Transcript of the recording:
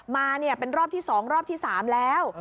มาเป็นรอบที่๒รอบที่๓แล้ว